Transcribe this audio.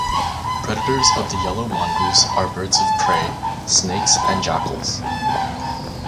Predators of the yellow mongoose are birds of prey, snakes and jackals.